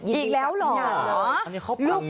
ยินดีกับพี่นางเลยอีกแล้วเหรออันนี้เขาปังจริงนะ